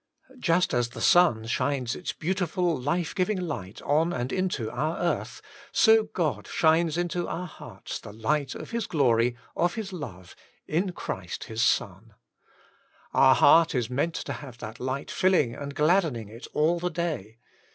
Just as the sun shines its beautiful, life giving light on and into our earth, so God shines into our hearts the light of His glory, of His love, in Chi'ist ffis Son, Our heart is meant to have that light filling and gladdening it all the day.